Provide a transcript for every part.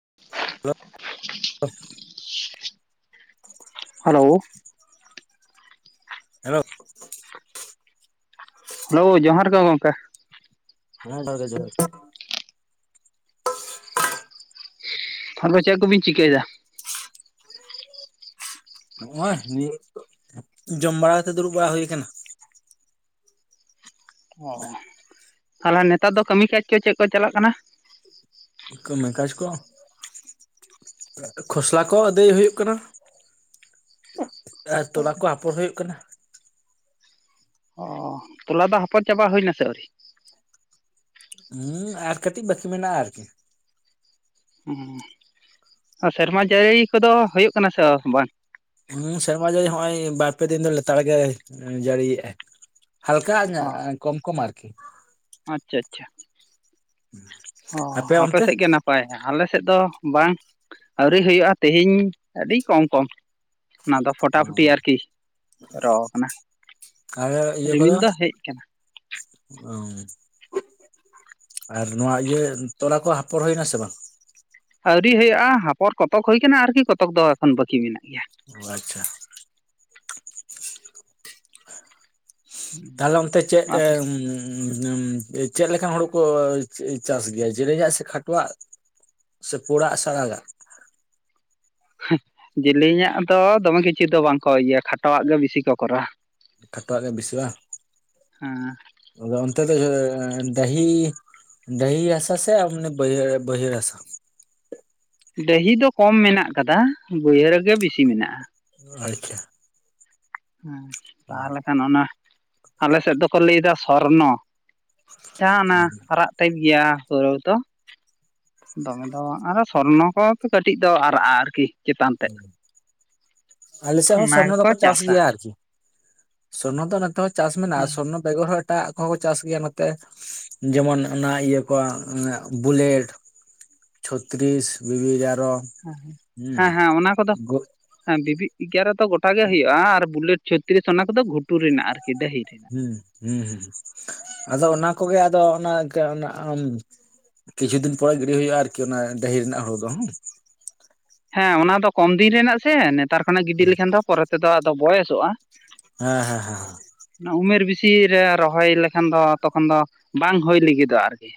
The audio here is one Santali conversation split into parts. [unintelligible] ᱦᱮᱞᱚᱣ᱾ ᱦᱮᱞᱚ᱾ ᱦᱮᱞᱚ ᱡᱚᱦᱟᱨ ᱜᱮ ᱜᱚᱝᱠᱮ᱾ ᱦᱮᱸ ᱡᱚᱦᱟᱨ ᱜᱮ ᱡᱚᱦᱟᱨ ᱟᱨ ᱫᱚ ᱪᱮᱜ ᱠᱚᱵᱤᱱ ᱪᱤᱠᱟᱹᱭᱫᱟ? ᱱᱚᱜᱼᱚᱭ ᱱᱤᱭᱟᱹ ᱡᱚᱢ ᱵᱟᱲᱟ ᱠᱟᱛᱮᱜ ᱫᱩᱲᱩᱵ ᱵᱟᱲᱟ ᱦᱩᱭ ᱠᱟᱱᱟ᱾ ᱚ ᱛᱟᱦᱞᱮ ᱱᱮᱛᱟᱨ ᱫᱚ ᱠᱟᱹᱢᱤ ᱠᱟᱡᱽ ᱠᱚ ᱪᱮᱫ ᱠᱚ ᱪᱟᱞᱟᱜ ᱠᱟᱱᱟ? ᱠᱟᱹᱢᱤ ᱠᱟᱡ ᱠᱚ᱾ ᱠᱷᱚᱥᱞᱟ ᱠᱚ ᱟᱹᱫᱟᱹᱭ ᱦᱩᱭᱩᱜ ᱠᱟᱱᱟ᱾ ᱟᱨ ᱛᱚᱞᱟ ᱠᱚ ᱟᱯᱚᱨ ᱦᱩᱭᱩᱜ ᱠᱟᱱᱟ᱾ ᱚᱻ ᱛᱚᱞᱟ ᱫᱚ ᱦᱟᱯᱚᱨ ᱪᱟᱵᱟ ᱦᱩᱭᱱᱟ ᱥᱮ ᱟᱹᱣᱨᱤ? ᱦᱩᱸ ᱟᱨ ᱠᱟᱹᱴᱤᱡ ᱵᱟᱹᱠᱤ ᱢᱮᱱᱟᱜᱼᱟ ᱟᱨᱠᱤ᱾ ᱥᱮᱨᱢᱟ ᱡᱟᱹᱲᱤ ᱠᱚᱫᱚ ᱦᱩᱭᱩᱜ ᱠᱟᱱᱟ ᱥᱮ ᱵᱟᱝ? ᱦᱩᱸ ᱥᱮᱨᱢᱟ ᱡᱟᱹᱲᱤ ᱦᱚᱸᱜᱼᱚᱭ ᱵᱟᱨ ᱯᱮ ᱫᱤᱱ ᱫᱚ ᱞᱮᱛᱟᱲ ᱜᱮ ᱡᱟᱹᱲᱤᱭᱮᱜᱼᱟᱭ᱾ ᱦᱟᱞᱠᱟ ᱚ ᱠᱚᱢ ᱠᱚᱢ ᱟᱨᱠᱤ᱾ ᱟᱪᱪᱷᱟ ᱪᱷᱟ᱾ [inaudible] ᱦᱚᱸ ᱟᱯᱮ ᱚᱱᱛᱮ ᱟᱯᱮᱥᱮᱜ ᱜᱮ ᱱᱟᱯ ᱯᱟᱭ, ᱟᱞᱮ ᱥᱮᱫ ᱫᱚ ᱵᱟᱝ ᱟᱹᱣᱨᱤ ᱦᱩᱭᱩᱜᱼᱟ ᱛᱮᱦᱤᱧ ᱟᱹᱰᱤ ᱠᱚᱢ ᱠᱚᱢ᱾ ᱚᱱᱟ ᱫᱚ ᱯᱷᱚᱴᱟ ᱯᱷᱚᱴᱤ ᱟᱨᱠᱤ, ᱨᱚᱣ ᱠᱟᱱᱟ ᱨᱤᱢᱤᱞ ᱫᱚ ᱦᱮᱡ ᱠᱟᱱᱟ᱾ ᱚ᱾ ᱟᱨ ᱱᱚᱣᱟ ᱤᱭᱟᱹ ᱛᱚᱞᱟ ᱠᱚ ᱦᱟᱯᱚᱨ ᱦᱩᱭᱱᱟ ᱥᱮ ᱵᱟᱝ? ᱟᱹᱣᱨᱤ ᱦᱩᱭᱩᱜᱼᱟ, ᱦᱟᱯᱚᱨ ᱠᱚᱛᱚᱠ ᱦᱩᱭ ᱟᱠᱟᱱᱟ ᱟᱨᱠᱤ ᱠᱚᱛᱚᱠ ᱫᱚ ᱮᱠᱷᱚᱱ ᱵᱟᱹᱠᱤ ᱢᱮᱱᱟᱜ ᱜᱮᱭᱟ᱾ ᱚ ᱟᱪᱷᱟ᱾ ᱛᱟᱦᱞᱮ ᱚᱱᱛᱮ ᱪᱮᱫ ᱪᱮᱫ ᱞᱮᱠᱟᱱ ᱦᱚᱲᱚ ᱠᱚ ᱪᱟᱥ ᱜᱮᱭᱟ ᱡᱮᱞᱮᱧᱟᱜ ᱥᱮ ᱠᱷᱟᱴᱚᱣᱟᱜ? ᱥᱮ ᱯᱩᱲᱟᱜ ᱥᱮ ᱟᱲᱟᱜᱟᱜ? ᱡᱤᱞᱤᱧᱟᱜ ᱫᱚ ᱫᱚᱢᱮ ᱠᱤᱪᱷᱩ ᱫᱚ ᱵᱟᱝᱠᱚ ᱤᱭᱟᱹ ᱠᱷᱟᱴᱚᱣᱟᱜ ᱜᱮ ᱵᱤᱥᱤ ᱠᱚ ᱠᱚᱨᱟᱣᱟ᱾ ᱠᱷᱟᱴᱚᱣᱟᱜ ᱜᱮ ᱵᱤᱥᱤᱜ ᱵᱟᱝ? ᱦᱮᱸ ᱛᱚᱵᱮ ᱚᱱᱛᱮ ᱫᱚ ᱰᱟᱹᱦᱤ ᱰᱟᱹᱦᱤ ᱦᱟᱥᱟ ᱥᱮ ᱢᱟᱱᱮ ᱵᱟᱹᱭ ᱵᱟᱹᱦᱟᱹᱲ ᱦᱟᱥᱟ? ᱰᱟᱹᱦᱤ ᱫᱚ ᱠᱚᱢ ᱢᱮᱱᱟᱜ ᱟᱠᱟᱫᱟ ᱵᱟᱹᱭᱦᱟᱹᱲ ᱜᱮ ᱵᱤᱥᱤ ᱢᱮᱱᱟᱜᱼᱟ᱾ ᱟᱪᱪᱷᱟ ᱦᱮᱸ ᱛᱟᱦᱚᱞᱮ ᱠᱷᱟᱱ ᱚᱱᱟ ᱟᱞᱮ ᱥᱮᱫ ᱫᱚᱠᱚ ᱞᱟᱹᱭᱫᱟ ᱥᱚᱨᱱᱚᱼᱼ ᱡᱟᱦᱟᱸ ᱚᱱᱟ ᱦᱟᱨᱟᱜ ᱴᱟᱭᱤᱯ ᱜᱮᱭᱟ ᱦᱩᱨᱩ ᱫᱚᱼᱼ ᱫᱚᱢᱮ ᱫᱚ ᱵᱟᱝ ᱟᱨᱚ ᱥᱚᱨᱱᱚ ᱠᱚ ᱠᱟᱹᱴᱤᱡ ᱫᱚ ᱟᱨᱟᱜᱼᱟ ᱟᱨᱠᱤ ᱪᱮᱛᱟᱱ ᱛᱮᱫᱼᱼ ᱟᱞᱮ ᱥᱮᱜ ᱦᱚᱸ ᱥᱚᱨᱱᱚ ᱫᱚᱠᱚ ᱪᱟᱥ ᱪᱟᱥᱟ ᱜᱮᱭᱟ ᱟᱨᱠᱤ ᱥᱚᱨᱱᱚ ᱫᱚ ᱱᱚᱛᱮ ᱦᱚᱸ ᱪᱟᱥ ᱢᱮᱱᱟᱜᱼᱟ ᱥᱚᱨᱱᱚᱼᱼ ᱵᱮᱜᱚᱨ ᱦᱚᱸ ᱮᱴᱟᱜ ᱠᱚᱦᱚᱸ ᱠᱚ ᱪᱟᱥ ᱜᱮᱭᱟ ᱱᱚᱛᱮ ᱡᱮᱢᱚᱱ ᱚᱱᱟ ᱤᱭᱟᱹ ᱠᱚ ᱵᱩᱞᱮᱴ ᱪᱷᱚᱛᱨᱤᱥ ᱵᱤᱵᱤ ᱮᱜᱟᱨᱚᱼᱼ ᱦᱮᱸ ᱦᱮᱸ ᱦᱮᱸ ᱚᱱᱟ ᱠᱚᱫᱚ ᱦᱮᱸ ᱵᱤᱵᱤ ᱮᱜᱟᱨᱚ ᱫᱚ ᱜᱚᱴᱟ ᱜᱮ ᱦᱩᱭᱩᱜᱼᱟ ᱟᱨ ᱵᱩᱞᱮᱴ ᱪᱷᱩᱼᱼ ᱵᱷᱤᱛᱤᱨ ᱨᱮ ᱚᱱᱟ ᱠᱚᱫᱚ ᱜᱷᱩᱴᱩᱨ ᱨᱮᱱᱟᱜ ᱟᱨᱠᱤ ᱰᱟᱹᱦᱤ ᱨᱮᱱᱟᱜ ᱦᱩᱸ ᱦᱩᱸ ᱦᱩᱸ ᱟᱫᱚ ᱚᱱᱟ ᱠᱚᱜᱮ ᱟᱫᱚ ᱚᱱᱟ [unintelligible] ᱚᱱᱟᱼᱼ ᱠᱤᱪᱷᱩ ᱫᱤᱱ ᱯᱚᱨᱮ ᱜᱤᱰᱤ ᱦᱩᱭᱩᱜᱼᱟ ᱟᱨᱠᱤ ᱚᱱᱟ ᱰᱟᱹᱦᱤ ᱨᱮᱱᱟᱜ ᱦᱩᱲᱩ ᱫᱚ ᱦᱩᱸᱼᱼ ᱦᱮᱸ ᱚᱱᱟ ᱫᱚ ᱠᱚᱢ ᱫᱤᱱ ᱨᱮᱱᱟᱜ ᱥᱮ ᱱᱮᱛᱟᱨ ᱠᱷᱚᱱᱟᱜ ᱜᱤᱰᱤ ᱞᱮᱠᱷᱟᱱ ᱫᱚ ᱯᱚᱨᱮ ᱛᱮᱫᱚ ᱟᱫᱚ ᱵᱚᱭᱮᱥᱚᱜᱼᱟ ᱦᱮᱸ ᱦᱮᱸ ᱦᱮᱸ ᱩᱢᱮᱨ ᱵᱮᱥᱤ ᱨᱮ ᱨᱚᱦᱚᱭ ᱞᱮᱠᱷᱟᱱ ᱫᱚ ᱛᱚᱠᱷᱚᱱ ᱫᱚ ᱵᱟᱝ ᱦᱩᱭ ᱞᱟᱹᱜᱤᱫᱚᱜ ᱟᱨᱠᱤ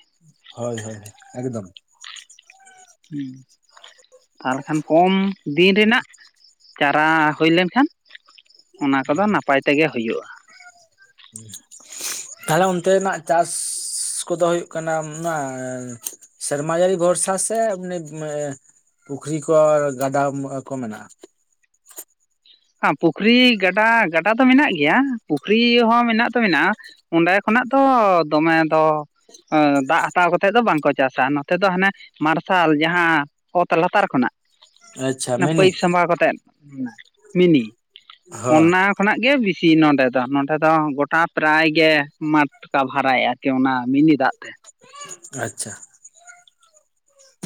ᱦᱳᱭ ᱦᱳᱭ ᱮᱠᱫᱚᱢ ᱦᱮᱸ ᱟᱨ ᱠᱷᱟᱱ ᱠᱚᱢ ᱫᱤᱱ ᱨᱮᱱᱟᱜᱼᱼ ᱪᱟᱨᱟ ᱦᱩᱭ ᱞᱮᱱ ᱠᱷᱟᱱ ᱚᱱᱟ ᱠᱚ ᱫᱚ ᱱᱟᱯᱟᱭ ᱛᱮᱜᱮ ᱦᱩᱭᱩᱜᱼᱟ ᱛᱟᱦᱚᱞᱮ ᱚᱱᱛᱮᱱᱟᱜ ᱪᱟᱥᱼᱼ [unintelligible] ᱠᱚᱫᱚ ᱦᱩᱭᱩᱜ ᱠᱟᱱᱟ ᱱᱚᱣᱟ ᱥᱮᱨᱢᱟ ᱡᱟᱹᱲᱤ ᱵᱷᱚᱨᱥᱟ ᱥᱮ [unintelligible] ᱯᱩᱠᱷᱨᱤ ᱠᱚ ᱟᱨ ᱜᱟᱰᱟ ᱢᱩᱸᱦᱟ ᱠᱚ ᱢᱮᱱᱟᱜᱼᱟ ᱦᱚᱸ ᱯᱩᱠᱷᱨᱤ ᱜᱟᱰᱟ ᱜᱟᱰᱟ ᱫᱚ ᱢᱮᱱᱟᱜ ᱜᱮᱭᱟ ᱯᱩᱠᱷᱨᱤ ᱦᱚᱸ ᱢᱮᱱᱟᱜ ᱦᱚᱸ ᱢᱮᱱᱟᱜᱼᱟ ᱚᱸᱰᱮ ᱠᱷᱚᱱᱟᱜ ᱫᱚ ᱫᱚᱢᱮ ᱫᱚᱼᱼ ᱟ ᱫᱟᱜ ᱦᱟᱛᱟᱣ ᱠᱟᱛᱮᱫ ᱫᱚ ᱵᱟᱝ ᱠᱚ ᱪᱟᱥᱟ ᱱᱚᱛᱮ ᱫᱚ ᱦᱟᱱᱮᱼᱼ ᱢᱟᱨᱥᱟᱞ ᱡᱟᱦᱟᱸ ᱚᱛ ᱞᱟᱛᱟᱨ ᱠᱷᱚᱱᱟᱜᱼᱼ ᱟᱪᱪᱷᱟ ᱢᱤᱱᱤ ᱯᱟᱹᱭᱤᱯ ᱥᱟᱸᱵᱟᱣ ᱠᱟᱛᱮ ᱢᱤᱱᱤ ᱦᱚᱸ ᱚᱱᱟᱼᱼ ᱠᱷᱚᱱᱟᱜ ᱜᱮ ᱵᱤᱥᱤ ᱱᱚᱰᱮ ᱫᱚ ᱱᱚᱰᱮ ᱫᱚ ᱜᱚᱴᱟ ᱯᱨᱟᱭ ᱜᱮ ᱢᱟᱴ ᱠᱟᱵᱷᱟᱨᱟᱭᱼᱟ ᱟᱨᱠᱤ ᱚᱱᱟ ᱢᱤᱱᱤ ᱫᱟᱜ ᱛᱮᱼ ᱟᱪᱪᱷᱟ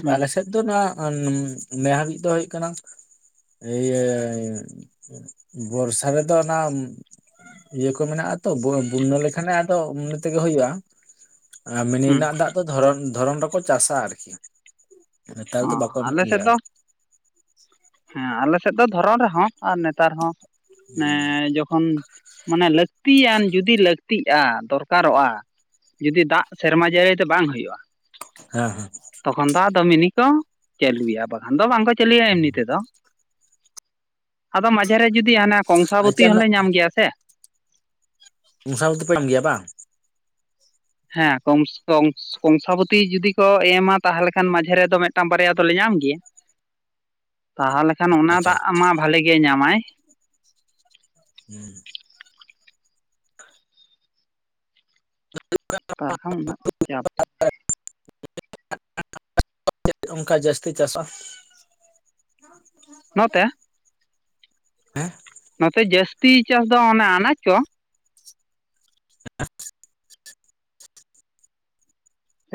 ᱦᱩᱸ ᱟᱞᱮ ᱥᱮᱫᱼᱼ ᱫᱚ ᱱᱚᱣᱟ ᱱᱮ ᱦᱟᱹᱵᱤᱡ ᱫᱚ ᱦᱩᱭᱩᱜ ᱠᱟᱱᱟ ᱤᱭᱟᱹᱼᱼ ᱵᱚᱨᱥᱟ ᱨᱮ ᱫᱚ ᱚᱱᱟᱼᱼ ᱤᱭᱟᱹ ᱠᱚ ᱢᱮᱱᱟᱜᱼᱟ ᱛᱚ ᱵᱚᱱᱱᱟᱹ ᱞᱮᱠᱷᱟᱱᱮ ᱟᱫᱚ ᱢᱚᱱᱮ ᱛᱮᱜᱮ ᱦᱩᱭᱩᱜᱼᱟ ᱟᱨ ᱢᱤᱱᱤ ᱦᱩᱸ ᱨᱮᱱᱟᱜ ᱫᱟᱜ ᱫᱷᱚᱨᱚᱱ ᱫᱷᱚᱨᱚᱱ ᱨᱮᱠᱚ ᱪᱟᱥᱟ ᱟᱨᱠᱤᱼᱼ ᱱᱮᱛᱟᱨ ᱚ ᱫᱚ ᱵᱟᱠᱚ ᱮᱢᱚᱜ ᱟᱞᱮ ᱜᱮᱭᱟ ᱥᱮᱫ ᱫᱚ ᱟᱨᱠᱤ ᱦᱮᱸ ᱟᱞᱮ ᱥᱮᱫ ᱫᱚ ᱫᱷᱚᱨᱚᱱ ᱨᱮ ᱦᱚᱸ ᱟᱨ ᱱᱮᱛᱟᱨ ᱦᱚᱸ [unintelligible] ᱡᱚᱠᱷᱚᱱ ᱢᱟᱱᱮ ᱞᱟᱹᱠᱛᱤᱭᱟᱱ ᱡᱩᱫᱤ ᱞᱟᱹᱠᱛᱤᱜᱼᱟ ᱫᱚᱨᱠᱟᱨᱚᱜᱼᱟ ᱡᱩᱫᱤ ᱫᱟᱜ ᱥᱮᱨᱢᱟ ᱡᱟᱹᱲᱤ ᱛᱮ ᱵᱟᱝ ᱦᱩᱭᱩᱜᱼᱟ ᱦᱮᱸ ᱦᱮᱸ ᱛᱚᱠᱷᱚᱱ ᱫᱚ ᱟᱫᱚ ᱢᱤᱱᱤ ᱠᱚ ᱪᱟᱹᱞᱩᱭᱟ ᱵᱟᱠᱷᱟᱱ ᱫᱚ ᱵᱟᱝ ᱠᱚ ᱪᱟᱹᱞᱩᱭᱟ ᱮᱢᱱᱤ ᱛᱮᱼᱼ [unintelligible] ᱟᱫᱚ ᱢᱟᱡᱷᱮᱨᱮ ᱡᱩᱫᱤ ᱦᱟᱱᱮ ᱠᱚᱝᱥᱟᱵᱚᱛᱤ ᱟᱪᱪᱷᱟ ᱚᱱᱟ ᱦᱚᱸᱞᱮ ᱧᱟᱢ ᱜᱮᱭᱟ ᱥᱮ ᱠᱚᱝᱥᱟᱵᱚᱛᱤ ᱯᱮ ᱧᱟᱢ ᱜᱮᱭᱟ ᱵᱟᱝ ᱦᱮᱸ ᱠᱚᱝᱥ ᱠᱚᱝᱥ ᱠᱚᱝᱥᱟᱵᱚᱛᱤ ᱡᱚᱫᱤᱼᱼ ᱠᱚ ᱮᱢᱟ ᱛᱟᱦᱚᱞᱮ ᱢᱟᱡᱷᱮ ᱨᱮ ᱫᱚ ᱢᱤᱫᱴᱟᱝ ᱵᱟᱨᱭᱟ ᱫᱚᱞᱮ ᱧᱟᱢ ᱜᱮᱭᱟ ᱛᱟᱦᱚᱞᱮ ᱠᱷᱟᱱ ᱮ ᱠᱷᱟᱱ ᱚᱱᱟ ᱟᱪᱪᱷᱟ ᱫᱟᱜ ᱟᱪᱪᱷᱟ ᱢᱟ ᱵᱷᱟᱞᱮ ᱜᱮ ᱧᱟᱢᱟᱭ ᱦᱩᱸ [unintelligible] [inaudible] ᱚᱱᱠᱟ ᱡᱟᱹᱥᱛᱤ ᱪᱟᱥᱚᱜᱼᱟ ᱾ ᱱᱚᱛᱮᱻ ᱦᱮᱸᱻ ᱱᱚᱛᱮ ᱡᱟᱹᱥᱛᱤ ᱪᱟᱥ ᱫᱚ ᱚᱱᱮ ᱟᱱᱟᱡᱽ ᱠᱚ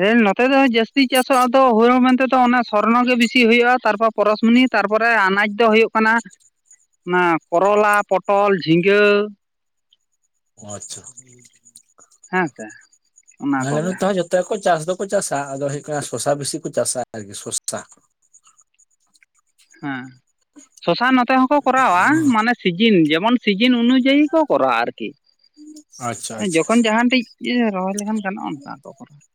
ᱦᱮᱸ ᱱᱚᱛᱮ ᱫᱚ ᱡᱟᱹᱥᱛᱤ ᱪᱟᱥᱚᱜ ᱟᱫᱚ ᱦᱳᱲᱳ ᱢᱮᱱᱛᱮ ᱫᱚ ᱚᱱᱟ ᱥᱚᱨᱱᱚ ᱜᱮ ᱵᱮᱥᱤ ᱦᱩᱭᱩᱜᱼᱟ ᱛᱟᱨᱯᱚᱨ ᱯᱚᱨᱚᱥᱢᱩᱱᱤ ᱛᱟᱨᱯᱚᱨᱮ ᱟᱱᱟᱡᱽ ᱫᱚ ᱦᱩᱭᱩᱜ ᱠᱟᱱᱟ ᱚᱱᱟ ᱠᱚᱨᱚᱞᱟ ᱯᱚᱴᱚᱞ ᱡᱷᱤᱸᱜᱟᱹ ᱚ ᱟᱪᱪᱷᱟ ᱾ ᱦᱮᱸ ᱥᱮ ᱾ ᱟᱞᱮ ᱱᱚᱛᱮ ᱦᱚᱸ ᱡᱚᱛᱚ ᱜᱮ ᱠᱚ ᱪᱟᱥ ᱫᱚᱠᱚ ᱪᱟᱥᱟ ᱟᱫᱚ ᱦᱩᱭᱩᱜ ᱠᱟᱱᱟ ᱥᱚᱨᱥᱟ ᱵᱮᱥᱤ ᱠᱚ ᱪᱟᱥᱟ ᱟᱨᱠᱤ ᱥᱚᱨᱥᱟ ᱾ ᱦᱮᱸ ᱥᱚᱥᱟ ᱱᱚᱛᱮ ᱦᱚᱸᱠᱚ ᱠᱚᱨᱟᱣᱟ ᱢᱟᱱᱮ ᱥᱤᱡᱤᱱ ᱡᱮᱢᱚᱱ ᱥᱤᱡᱤᱱ ᱚᱱᱩᱡᱟᱭ ᱠᱚ ᱠᱚᱨᱟᱣᱟ ᱟᱨᱠᱤ ᱟᱪᱪᱷᱟ ᱟᱪᱪᱷᱟ ᱡᱚᱠᱷᱚᱱ ᱡᱟᱦᱟᱸ ᱴᱤᱡ ᱤᱭᱟᱹ ᱨᱚᱦᱚᱭ ᱞᱮᱠᱷᱟᱱ ᱜᱟᱱᱚᱜᱼᱟ ᱚᱱᱠᱟ ᱠᱚ ᱠᱚᱨᱟᱣ ᱾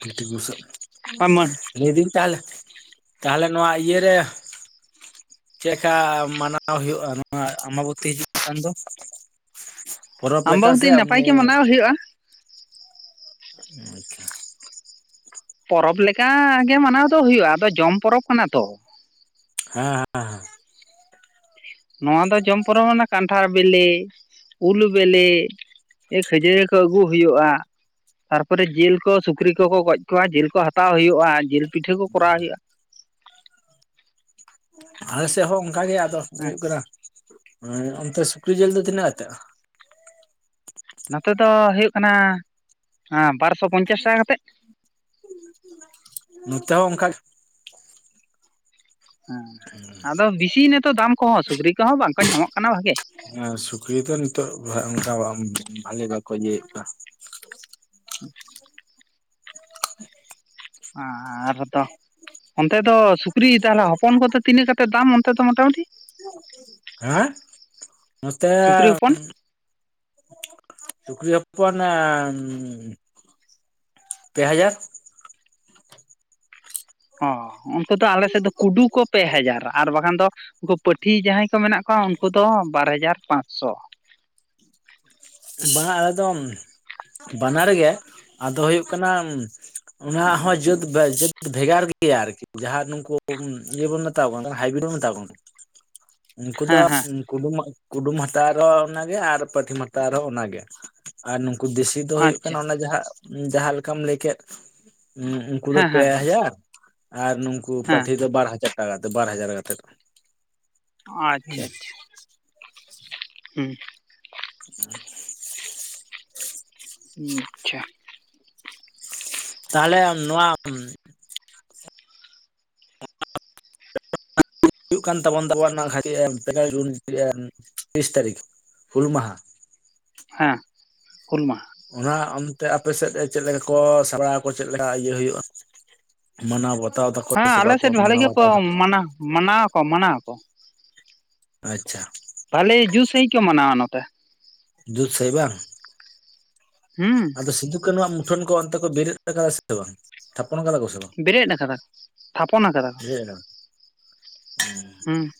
ᱛᱤ ᱛᱤ ᱵᱩᱥᱟᱜ ᱠᱚᱨᱟᱣᱟ ᱞᱟᱹᱭ ᱫᱟᱹᱧ ᱛᱟᱦᱚᱞᱮ, ᱛᱟᱦᱚᱞᱮ ᱱᱚᱣᱟ ᱤᱭᱟᱹ ᱨᱮ ᱪᱮᱫ ᱞᱮᱠᱟ ᱢᱟᱱᱟᱣ ᱦᱩᱭᱩᱜᱼᱟ ᱱᱚᱣᱟ ᱟᱢᱢᱟᱵᱚᱛᱤ ᱦᱤᱡᱩᱜ ᱠᱟᱱ ᱫᱚ? ᱯᱚᱨᱚᱵᱽ ᱞᱮᱠᱟ ᱥᱮ ᱟᱢᱵᱟᱵᱚᱛᱤ ᱱᱟᱯᱟᱭ ᱮᱢᱱᱤ? ᱜᱮ ᱢᱟᱱᱟᱣ ᱦᱩᱭᱩᱜᱼᱟ ᱟᱪᱪᱷᱟ ᱯᱚᱨᱚᱵᱽ ᱞᱮᱠᱟ ᱜᱮ ᱢᱟᱱᱟᱣ ᱫᱚ ᱦᱩᱭᱩᱜᱼᱟ ᱟᱫᱚ ᱡᱚᱢ ᱯᱚᱨᱚᱵᱽ ᱠᱟᱱᱟ ᱛᱚ ᱾ ᱦᱮᱸ ᱦᱮᱸ ᱾ ᱱᱚᱣᱟ ᱫᱚ ᱡᱚᱢ ᱯᱚᱨᱚᱵ ᱢᱟᱱᱮ ᱠᱟᱱᱴᱷᱟᱲ ᱵᱮᱞᱮ ᱩᱞ ᱵᱮᱞᱮ ᱮᱻ ᱠᱷᱟᱹᱡᱟᱹᱲᱤ ᱠᱚ ᱟᱹᱜᱩ ᱦᱩᱭᱩᱜᱼᱟ ᱾ ᱛᱟᱨᱯᱚᱨᱮ ᱡᱤᱞ ᱠᱚ ᱥᱩᱠᱨᱤ ᱠᱚᱠᱚ ᱜᱚᱡ ᱠᱚᱣᱟ ᱡᱤᱞ ᱠᱚ ᱦᱟᱛᱟᱣ ᱦᱩᱭᱩᱜᱼᱟ ᱾ ᱡᱤᱞ ᱯᱤᱴᱷᱟᱹ ᱠᱚ ᱠᱚᱨᱟᱣ ᱦᱩᱭᱩᱜᱼᱟ ᱾ ᱟᱞᱮᱥᱮᱫ ᱦᱚᱸ ᱚᱱᱠᱟ ᱜᱮ ᱟᱫᱚ ᱦᱮᱸ ᱦᱩᱭᱩᱜ ᱠᱟᱱᱟ ᱚᱱᱛᱮ ᱥᱩᱠᱨᱤ ᱡᱤᱞ ᱫᱚ ᱛᱤᱱᱟᱹᱜ ᱟᱛᱮᱜ? ᱱᱚᱛᱮ ᱫᱚ ᱦᱩᱭᱩᱜ ᱠᱟᱱᱟ ᱵᱟᱨᱥᱚ ᱯᱚᱧᱪᱟᱥ ᱴᱟᱠᱟ ᱠᱟᱛᱮᱫ ᱾ ᱱᱚᱛᱮ ᱦᱚᱸ ᱚᱱᱠᱟ ᱜᱮ ᱾ ᱦᱮᱸ ᱟᱫᱚ ᱵᱤᱥᱤ ᱱᱤᱛᱚᱜ ᱫᱟᱢ ᱠᱚᱦᱚᱸ ᱥᱩᱠᱨᱤ ᱠᱚᱦᱚᱸ ᱵᱟᱝᱠᱚ ᱧᱟᱢᱚᱜ ᱠᱟᱱᱟ ᱵᱷᱟᱹᱜᱤ ᱾ ᱦᱮᱸ ᱥᱩᱠᱨᱤ ᱫᱚ ᱱᱤᱛᱚᱜ ᱚᱱᱠᱟ ᱵᱷᱟᱞᱮ ᱵᱟᱠᱚ ᱤᱭᱟᱹ ᱮᱫ ᱠᱚᱣᱟ ᱾ [inaudible] ᱦᱮᱸ ᱟᱨ ᱦᱚᱸ ᱛᱚ ᱾ ᱚᱱᱛᱮ ᱫᱚ ᱥᱩᱠᱨᱤ ᱛᱟᱦᱚᱞᱮ ᱦᱚᱯᱚᱱ ᱠᱚᱫᱚ ᱛᱤᱱᱟᱹᱜ ᱠᱟᱛᱮᱫ ᱫᱟᱢ ᱚᱱᱛᱮ ᱫᱚ ᱢᱳᱴᱟᱢᱩᱴᱤ? ᱦᱮᱸ ᱱᱚᱛᱮᱻ ᱥᱩᱠᱨᱤ ᱦᱚᱯᱚᱱ ᱥᱩᱠᱨᱤ ᱦᱚᱯᱚᱱᱻ ᱯᱮ ᱦᱟᱡᱟᱨ ᱾ ᱚᱻ ᱩᱱᱠᱩ ᱫᱚ ᱟᱞᱮ ᱥᱮᱫ ᱫᱚ ᱠᱩᱰᱩ ᱠᱚ ᱯᱮ ᱦᱟᱡᱟᱨ ᱟᱨ ᱵᱟᱠᱷᱟᱱ ᱫᱚ ᱩᱱᱠᱩ ᱯᱟᱹᱴᱷᱤ ᱡᱟᱦᱟᱸᱭ ᱠᱚ ᱢᱮᱱᱟᱜ ᱠᱚᱣᱟ ᱩᱱᱠᱩ ᱫᱚ ᱵᱟᱨ ᱦᱟᱡᱟᱨ ᱯᱟᱸᱪᱥᱚ ᱾ ᱵᱟᱝ ᱟᱞᱮ ᱫᱚ ᱵᱟᱱᱟᱨ ᱜᱮ, ᱟᱫᱚ ᱦᱩᱭᱩᱜ ᱠᱟᱱᱟ ᱚᱱᱟ ᱦᱚᱸ ᱡᱟᱹᱛ ᱵᱮ ᱡᱟᱹᱛ ᱵᱷᱮᱜᱟᱨ ᱜᱮᱭᱟ ᱟᱨᱠᱤ ᱾ ᱡᱟᱦᱟᱸ ᱱᱩᱠᱩ ᱤᱭᱟᱹ ᱵᱚᱱ ᱢᱮᱛᱟ ᱠᱚ ᱠᱟᱱ ᱦᱟᱭᱵᱨᱤᱰ ᱵᱚᱱ ᱢᱮᱛᱟ ᱠᱚ ᱾ [inaudible] ᱩᱱᱠᱩ ᱫᱚ ᱦᱮᱸ ᱦᱮᱸ ᱠᱩᱰᱩᱢ ᱠᱩᱰᱩᱢ ᱦᱟᱛᱟᱣ ᱮ ᱨᱮᱦᱚᱸ ᱚᱱᱟᱜᱮ ᱟᱨ ᱯᱟᱹᱴᱷᱤᱢ ᱦᱟᱛ ᱛᱟᱣ ᱨᱮᱦᱚᱸ ᱚᱱᱟᱜᱮ ᱟᱨ ᱱᱩᱠᱩ ᱫᱮᱥᱤ ᱫᱚ ᱦᱩᱭᱩᱜ ᱠᱟᱱᱟ ᱟᱪᱪᱷᱟ ᱚᱱᱟ ᱡᱟᱦᱟᱸ ᱡᱟᱦᱟᱸ ᱞᱮᱠᱟᱢ ᱞᱟᱹᱭ ᱠᱮᱫ ᱩᱱᱠᱩ ᱫᱚ ᱦᱮᱸ ᱯᱮ ᱦᱮᱸ ᱦᱮᱸ ᱦᱟᱡᱟᱨ ᱟᱨ ᱱᱩᱠ ᱠᱩ ᱦᱮᱸ ᱯᱟᱹᱴᱷᱤ ᱫᱚ ᱵᱟᱨ ᱦᱟᱡᱟᱨ ᱴᱟᱠᱟ ᱠᱟᱛᱮ ᱵᱟᱨ ᱦᱟᱡᱟᱨ ᱠᱟᱛᱮᱫ ᱾ ᱟᱪᱪᱷᱟ ᱟᱪᱪᱷᱟ ᱦᱩᱸᱻ [inaudible] ᱟᱪᱪᱷᱟ ᱛᱟᱞᱦᱮ ᱱᱚᱣᱟ ᱦᱩᱭᱩᱜ ᱠᱟᱱ ᱛᱟᱵᱚᱱ ᱫᱚ [unintelligible] ᱛᱤᱨᱤᱥ ᱛᱟᱨᱤᱠᱷ ᱦᱩᱞ ᱢᱟᱦᱟ ᱦᱮᱸ ᱦᱩᱞ ᱢᱟᱦᱟ ᱚᱱᱟ ᱚᱱᱛᱮ ᱟᱯᱮᱥᱮᱫ ᱪᱮᱫ ᱞᱮᱠᱟ ᱠᱚ ᱥᱟᱯᱲᱟᱣ ᱟᱠᱚ ᱪᱮᱫᱞᱮᱠᱟ ᱤᱭᱟᱹ ᱦᱳᱭᱳᱜᱼᱟ? ᱢᱟᱱᱟᱣ ᱵᱟᱛᱟᱣ ᱫᱚ ᱦᱮᱸ ᱟᱞᱮᱥᱮᱫ ᱵᱷᱟᱞᱮ ᱜᱮ ᱢᱟᱱᱟᱣ ᱢᱟᱱᱟᱣ ᱟᱠᱚ ᱢᱟᱱᱟᱣ ᱟᱠᱚ ᱟᱪᱪᱷᱟ ᱵᱷᱟᱞᱮ ᱡᱩᱥ ᱥᱟᱦᱤᱡ ᱠᱚ ᱢᱟᱱᱟᱣᱟ ᱱᱚᱛᱮ ᱡᱩᱛ ᱥᱟᱦᱤᱡ ᱵᱟᱝ ᱦᱩᱸ ᱟᱫᱚ ᱥᱩᱤᱫᱩᱵ ᱠᱟᱹᱱᱦᱩᱼᱟᱜ ᱢᱩᱴᱷᱟᱹᱱ ᱠᱚ ᱚᱱᱛᱮ ᱠᱚ ᱵᱮᱨᱮᱫ ᱠᱟᱫᱟ ᱥᱮ ᱵᱟᱝ ᱛᱷᱟᱯᱚᱱ ᱠᱟᱫᱟ ᱠᱚ ᱥᱮ ᱵᱟᱝ ᱵᱮᱨᱮᱫ ᱟᱠᱟᱫᱟ ᱠᱚ ᱛᱷᱟᱯᱚᱱ ᱟᱠᱟᱫᱟ ᱠᱚ [unintelligible] ᱦᱩᱸ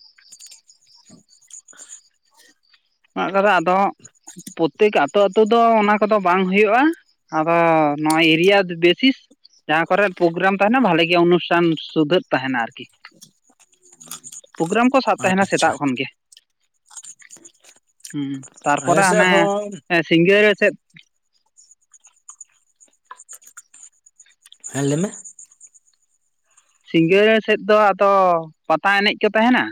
[unintelligible] ᱟᱫᱚ ᱯᱨᱚᱛᱮᱠ ᱟᱛᱳ ᱟᱛᱳ ᱫᱚ ᱚᱱᱟ ᱠᱚᱫᱚ ᱵᱟᱝ ᱦᱩᱭᱩᱜᱼᱟ ᱟᱫᱚ ᱱᱚᱣᱟ ᱮᱨᱤᱭᱟ ᱵᱮᱥᱤᱥ ᱡᱟᱦᱟᱸ ᱠᱚᱨᱮ ᱯᱨᱳᱜᱨᱟᱢ ᱛᱟᱦᱮᱱᱟ ᱵᱷᱟᱞᱮ ᱜᱮ ᱚᱱᱩᱥᱴᱷᱟᱱ ᱥᱩᱫᱷᱟᱹᱜ ᱛᱟᱦᱮᱱᱟ ᱟᱨᱠᱤ ᱯᱳᱜᱨᱟᱢ ᱠᱚ ᱥᱟᱵ ᱟᱠᱟᱫᱟ ᱛᱟᱦᱮᱱᱟ ᱟᱪᱪᱷᱟ ᱥᱮᱛᱟᱜ ᱠᱷᱚᱱ ᱜᱮ [inaudible] ᱦᱩᱸ ᱟᱞᱮ ᱛᱟᱨᱯᱚᱨᱮ ᱥᱮᱫ ᱦᱟᱱᱮ ᱦᱚᱸ ᱥᱤᱸᱜᱟᱹᱨᱤᱭᱟᱹ ᱥᱮᱫ ᱦᱮᱸ ᱞᱟᱹᱭᱢᱮ ᱥᱤᱸᱜᱟᱹᱲᱟᱹᱴ ᱥᱮᱫ ᱫᱚ ᱟᱫᱚ ᱯᱟᱛᱟ ᱮᱱᱮᱡ ᱠᱚ ᱛᱟᱦᱮᱱᱟ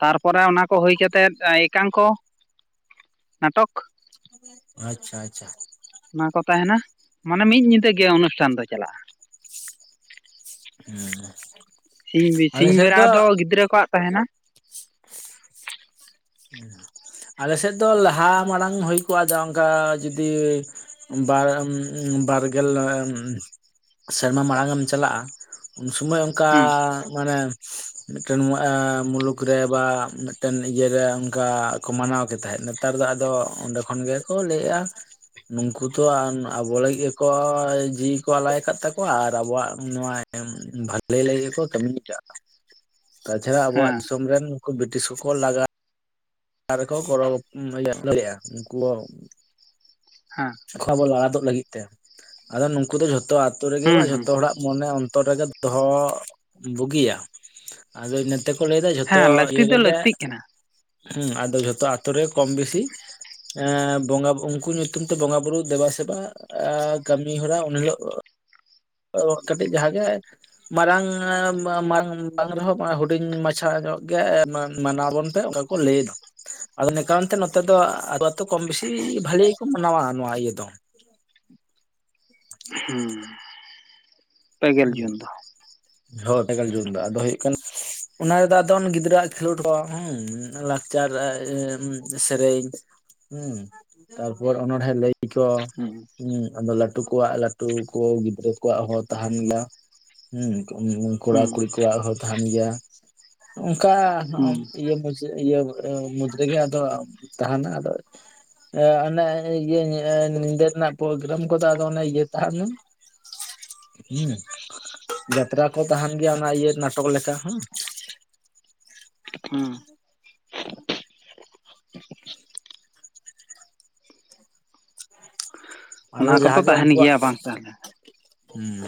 ᱛᱟᱨᱯᱚᱨᱮ ᱚᱱᱟ ᱠᱚ ᱦᱳᱭ ᱠᱟᱛᱮᱫ ᱮᱠᱟᱝᱠᱚ ᱱᱟᱴᱚᱠ ᱟᱪᱪᱷᱟ ᱟᱪᱪᱷᱟ ᱚᱱᱟ ᱠᱚ ᱛᱟᱦᱮᱱᱟ ᱢᱟᱱᱮ ᱢᱤᱫ ᱧᱤᱫᱟᱹ ᱜᱮ ᱚᱱᱩᱥᱴᱷᱟᱱ ᱫᱚ ᱪᱟᱞᱟᱜᱼᱟ ᱦᱩᱸ ᱦᱩᱸ ᱥᱤᱧ ᱟᱞᱮ ᱥᱤᱧ ᱥᱮᱫ ᱵᱮᱨᱟ ᱫᱚ ᱜᱤᱫᱽᱨᱟᱹ ᱠᱚᱣᱟᱜ ᱛᱟᱦᱮᱱᱟ [inaudible] ᱟᱞᱮ ᱥᱮᱫ ᱫᱚ ᱞᱟᱦᱟ ᱢᱟᱲᱟᱝ ᱦᱩᱭ ᱠᱚᱜᱼᱟ ᱟᱫᱚ ᱚᱱᱠᱟ ᱡᱩᱫᱤ ᱵᱟᱨ ᱵᱟᱨᱜᱮᱞ ᱥᱮᱨᱢᱟ ᱢᱟᱲᱟᱝ ᱮᱢ ᱪᱟᱞᱟᱜᱼᱟ ᱩᱱ ᱥᱩᱢᱟᱹᱭ ᱚᱱᱠᱟᱻ ᱦᱩᱸ ᱢᱟᱱᱮ ᱢᱤᱫᱴᱮᱱ ᱮᱸ ᱢᱩᱞᱩᱠ ᱨᱮ ᱵᱟ ᱢᱤᱫᱴᱮᱱ ᱤᱭᱟᱹ ᱨᱮ ᱚᱱᱠᱟ ᱠᱚ ᱢᱟᱱᱟᱣᱠᱮ ᱛᱟᱦᱮᱸᱫ ᱱᱮᱛᱟᱨ ᱫᱚ ᱟᱫᱚ ᱚᱸᱰᱮ ᱠᱷᱚᱱ ᱜᱮᱠᱚ ᱞᱟᱹᱭᱮᱜᱼᱟ ᱱᱩᱝᱠᱩ ᱛᱚ ᱟᱵᱚ ᱞᱟᱹᱜᱤᱫ ᱜᱮᱠᱚ ᱡᱤᱣᱤ ᱠᱚ ᱟᱞᱟᱭ ᱠᱟᱫ ᱛᱟᱠᱚᱣᱟ ᱟᱨ ᱟᱵᱚᱣᱟᱜ ᱱᱚᱣᱟ ᱵᱷᱟᱹᱞᱮ ᱞᱟᱹᱜᱤᱫ ᱜᱮᱠᱚ ᱠᱟᱹᱢᱤ ᱠᱟᱜᱼᱟ [inaudible] ᱛᱟᱪᱷᱟᱲᱟ ᱟᱵᱚᱣᱟᱜ ᱦᱮᱸ ᱫᱤᱥᱚᱢ ᱨᱮᱱ ᱩᱱᱠᱩ ᱵᱨᱤᱴᱤᱥ ᱠᱚᱠᱚ ᱞᱟᱜᱟ [unintelligible] ᱩᱱᱠᱩ ᱦᱮᱸ ᱠᱷᱚᱵᱚᱨ ᱞᱟᱲᱟ ᱫᱳᱜ ᱞᱟᱹᱜᱤᱫ ᱛᱮ ᱟᱫᱚ ᱱᱩᱠᱩ ᱫᱚ ᱡᱷᱚᱛᱚ ᱟᱛᱳ ᱨᱮᱜᱮ ᱦᱩᱸ ᱵᱟ ᱦᱩᱸ ᱡᱷᱚᱛᱚ ᱦᱚᱲᱟᱜ ᱢᱚᱱᱮ ᱚᱱᱛᱚᱨ ᱨᱮᱜᱮ ᱫᱚᱦᱚ ᱵᱩᱜᱤᱭᱟ ᱟᱫᱚ ᱤᱱᱟᱹ ᱛᱮᱠᱚ ᱞᱟᱹᱭᱫᱟ ᱡᱷᱚᱛᱚ ᱦᱮᱸ ᱞᱟᱹᱠᱛᱤ ᱤᱭᱟᱹ ᱫᱚ ᱨᱮᱜᱮ ᱞᱟᱹᱠᱛᱤᱜ ᱠᱟᱱᱟ ᱦᱩᱸ ᱟᱫᱚ ᱡᱷᱚᱛᱚ ᱟᱛᱳ ᱨᱮ ᱠᱚᱢ ᱵᱮᱥᱤ ᱮ ᱵᱚᱸᱜᱟ ᱩᱱᱠᱩ ᱧᱩᱛᱩᱢ ᱛᱮ ᱵᱚᱸᱜᱟ ᱵᱩᱨᱩ ᱫᱮᱵᱟ ᱥᱮᱵᱟ ᱮᱸ ᱠᱟᱹᱢᱤ ᱦᱚᱨᱟ ᱩᱱ ᱦᱤᱞᱳᱜ ᱠᱟᱹᱴᱤᱡ ᱡᱟᱦᱟᱸ ᱜᱮ ᱢᱟᱨᱟᱝ ᱢᱟᱝᱟᱝ ᱨᱮᱦᱚᱸ ᱦᱩᱰᱤᱧ ᱢᱟᱪᱷᱟ ᱧᱚᱜ ᱜᱮ ᱢᱟᱱᱟᱣ ᱟᱵᱚᱱ? ᱚᱱᱠᱟ ᱠᱚ ᱞᱟᱹᱭ ᱮᱫᱟ ᱟᱫᱚ ᱱᱮ ᱠᱟᱨᱚᱱ ᱛᱮ ᱱᱚᱛᱮ ᱫᱚ ᱟᱹᱛᱩ ᱟᱛᱳ ᱠᱚᱢ ᱵᱮᱥᱤ ᱵᱷᱟᱹᱞᱮ ᱜᱮᱠᱚ ᱢᱟᱱᱟᱣᱟ ᱱᱚᱣᱟ ᱤᱭᱟᱹ ᱫᱚ ᱦᱩᱸ [inaudible] ᱯᱮᱜᱮᱞ ᱡᱩᱱ ᱫᱚ ᱦᱳᱭ ᱯᱮ ᱜᱮᱞ ᱡᱩᱱ ᱫᱚ ᱟᱫᱚ ᱦᱩᱭᱩᱜ ᱠᱟᱱᱟ᱾ ᱚᱱᱟ ᱨᱮᱫᱚ ᱟᱫᱚ ᱜᱤᱫᱽᱨᱟᱹ ᱟᱣᱟᱜ ᱠᱷᱮᱞᱳᱰ ᱠᱚ ᱦᱮᱸ ᱞᱟᱠᱪᱟᱨ ᱥᱮᱨᱮᱧ ᱦᱩᱸ, ᱛᱟᱨᱯᱚᱨ ᱚᱱᱚᱲᱮ ᱞᱟᱭ ᱠᱚ, ᱦᱩᱸ᱾ ᱦᱮᱸ ᱟᱫᱚ ᱞᱟᱹᱴᱩ ᱠᱚᱣᱟᱜ ᱞᱟᱹᱴᱩ ᱠᱚ ᱜᱤᱫᱽᱨᱟᱹ ᱠᱚᱣᱟᱜ ᱦᱚᱸ ᱛᱟᱦᱮᱱ ᱜᱮᱭᱟ᱾ ᱦᱩᱸ ᱠᱚᱲᱟ- ᱠᱩᱲᱤ ᱠᱚᱣᱟᱜ ᱦᱚᱸ ᱛᱟᱦᱮᱱ ᱜᱮᱭᱟ᱾ ᱚᱱᱠᱟ ᱦᱩᱸ ᱢᱩᱫᱽ ᱨᱮᱜᱮ ᱟᱫᱚ ᱛᱟᱦᱮᱱᱟ᱾ ᱟᱫᱚ ᱮ ᱚᱱ ᱤᱭᱟᱹ ᱧᱤᱫᱟᱹ ᱨᱮᱱᱟᱜ ᱯᱨᱳᱜᱨᱟᱢ ᱠᱚᱫᱚ ᱟᱫᱚ ᱤᱭᱟᱹ ᱛᱟᱦᱮᱱᱟ᱾ ᱦᱮᱸ ᱡᱟᱛᱨᱟ ᱠᱚ ᱛᱟᱦᱮᱱ ᱜᱮᱭᱟ, ᱚᱱᱟ ᱤᱭᱟᱹ ᱱᱟᱴᱚᱠ ᱞᱮᱠᱟ ᱾ ᱦᱩᱸ᱾ ᱟᱫᱚ ᱚᱱᱟ ᱠᱚᱫᱚ ᱡᱟᱦᱟᱸ ᱜᱮ ᱛᱟᱦᱮᱱ ᱩᱱᱠᱩᱣᱟᱜ ᱜᱮᱭᱟ ᱵᱟᱝ ᱛᱟᱦᱚᱞᱮ ᱦᱮᱸ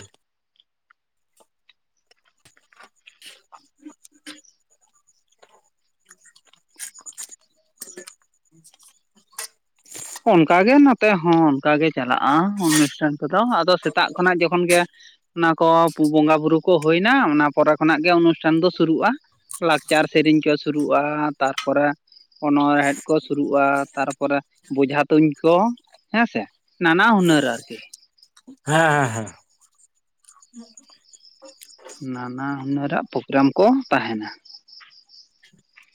[inaudible] ᱚᱱᱠᱟ ᱜᱮ ᱱᱚᱛᱮ ᱦᱚᱸ ᱚᱱᱠᱟ ᱜᱮ ᱪᱟᱞᱟᱜᱼᱟ, ᱚᱱᱩᱥᱴᱷᱟᱱ ᱠᱚᱫᱚ ᱥᱮᱛᱟᱜ ᱠᱷᱚᱱᱟᱜ ᱡᱚᱠᱷᱚᱱ ᱜᱮ, ᱚᱱᱟ ᱠᱚ ᱵᱚᱸᱜᱟ ᱵᱩᱨᱩ ᱠᱚ ᱦᱩᱭᱱᱟ᱾ ᱚᱱᱟ ᱯᱚᱨᱮ ᱠᱷᱚᱱᱟᱜ ᱚᱱᱩᱥᱴᱷᱟᱱ ᱫᱚ ᱥᱩᱨᱩᱼᱟ᱾ ᱞᱟᱠᱪᱟᱨ ᱥᱮᱨᱮᱧ ᱠᱚ ᱥᱩᱨᱩᱜᱼᱟ᱾ ᱛᱟᱨᱯᱚᱨᱮ ᱚᱱᱚᱬᱦᱮᱫ ᱠᱚ ᱥᱩᱨᱩᱼᱟ, ᱛᱟᱨᱯᱚᱨᱮ ᱵᱚᱡᱷᱟ ᱛᱩᱧ ᱠᱚ ᱦᱮᱸ ᱥᱮ, ᱱᱟᱱᱟ ᱦᱩᱱᱟᱹᱨ ᱟᱨᱠᱤ᱾ ᱦᱮᱸ ᱦᱮᱸ ᱦᱮᱸ᱾ [inaudible] ᱱᱟᱱᱟ ᱦᱩᱱᱟᱹᱨᱟᱜ ᱯᱨᱳᱜᱨᱟᱢ ᱠᱚ ᱛᱟᱦᱮᱸᱱᱟ᱾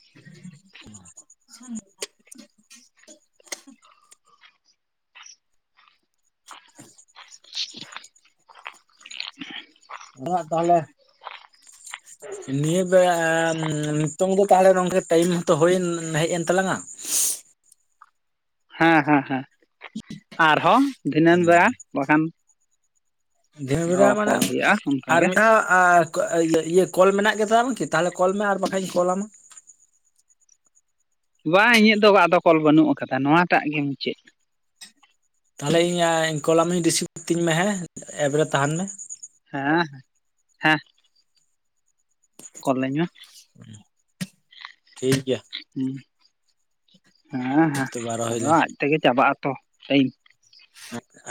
[inaudible] [inaudible] [inaudible] [unintelligible] ᱛᱟᱦᱚᱞᱮ [inaudible] ᱱᱤᱭᱟᱹ ᱵᱮ ᱱᱤᱛᱚᱝ ᱫᱚ ᱛᱟᱦᱚᱞᱮ ᱱᱚᱝᱠᱟ ᱴᱟᱭᱤᱢᱛᱚ ᱦᱩᱭ ᱦᱮᱡ ᱮᱱ ᱛᱟᱞᱟᱝᱼᱟ᱾ ᱦᱮᱸ ᱦᱮᱸ ᱦᱮᱸ, ᱟᱨᱦᱚᱸ ᱫᱷᱤᱱᱟᱹᱜ ᱵᱮᱲᱟ ᱵᱟᱠᱷᱟᱱ [unintelligible] ᱡᱷᱤᱱᱟᱜ ᱵᱮᱨᱟ ᱟᱨᱦᱚᱸ ᱢᱟᱱᱮ ᱠᱚᱞ ᱦᱩᱭᱩᱜᱼᱟ ᱟᱨ ᱚᱱᱠᱟᱜᱮ ᱢᱤᱫ ᱫᱷᱟᱣ ᱤᱭᱟᱹ ᱠᱚᱞ ᱢᱮᱱᱟᱜ ᱜᱮᱛᱚᱢ ᱵᱟᱝᱠᱤ ᱛᱟᱦᱚᱞᱮ ᱠᱚᱞ ᱢᱮ ᱟᱨ ᱵᱟᱠᱷᱟᱟᱱᱧ ᱠᱚᱞ ᱟᱢᱟ? ᱵᱟᱝ ᱤᱧᱟᱹᱜ ᱫᱚ ᱟᱫᱚ ᱠᱚᱞ ᱵᱟᱹᱱᱩᱜ ᱟᱠᱟᱫᱟ᱾ ᱱᱚᱣᱟ ᱴᱟᱜ ᱜᱮ ᱢᱩᱪᱟᱹᱫ᱾ ᱛᱟᱦᱚᱞᱮ ᱤᱧ ᱠᱚᱞ ᱟᱢᱤᱧ ᱨᱤᱥᱤᱵᱷᱛᱤᱧ ᱢᱮ, ᱦᱮᱸ ᱮᱯ ᱨᱮ ᱛᱟᱦᱮᱱ ᱢᱮ᱾ ᱦᱮᱸ, ᱦᱮᱸ᱾ ᱠᱚᱞ ᱟᱧ ᱡᱮ? ᱴᱷᱤᱠ ᱜᱮᱭᱟ᱾ ᱦᱮᱸ ᱦᱮᱸ, ᱛᱚᱵᱮ ᱨᱚᱦᱚᱭ ᱱᱚᱭᱟ ᱫᱟᱹᱧ ᱟᱡᱽ ᱛᱮᱜᱮ ᱪᱟᱵᱟᱜ ᱟᱛ ᱴᱟᱭᱤᱢ ᱟᱡᱽ